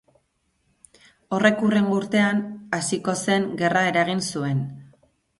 Horrek hurrengo urtean hasiko zen gerra eragin zuen.